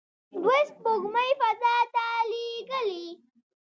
دوی سپوږمکۍ فضا ته لیږلي.